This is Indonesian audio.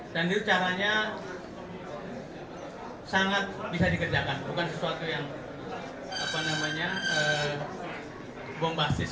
dan itu caranya sangat bisa dikerjakan bukan sesuatu yang bombastis